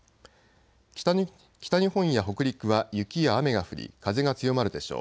北日本や北陸は雪や雨が降り風が強まるでしょう。